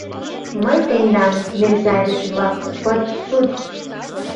Мый тендам, мерзавец-влак, под суд!